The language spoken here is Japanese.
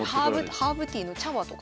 ハーブティーの茶葉とか。